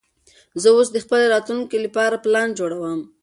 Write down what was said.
زه اوس د خپلې راتلونکې لوبې پلان جوړوم.